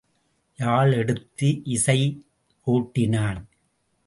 யாழ் எடுத்து இசை கூட்டினான்.